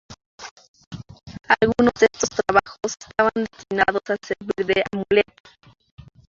Algunos de estos trabajos estaban destinados a servir de amuletos.